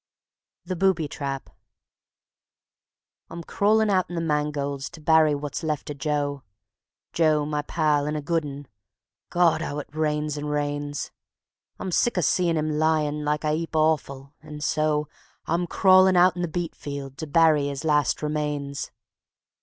The Booby Trap I'm crawlin' out in the mangolds to bury wot's left o' Joe Joe, my pal, and a good un (God! 'ow it rains and rains). I'm sick o' seein' him lyin' like a 'eap o' offal, and so I'm crawlin' out in the beet field to bury 'is last remains.